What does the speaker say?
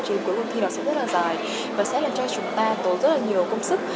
chứ cuối cuộc thi nó sẽ rất là dài và sẽ làm cho chúng ta tốn rất là nhiều công sức